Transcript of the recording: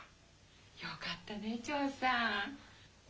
よかったねチョーさん。